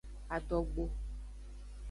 Adogbo.